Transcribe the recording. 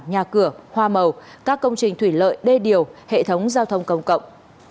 nhà cửa hoa màu các công trình thủy lợi đê điều hệ thống giao thông công cộng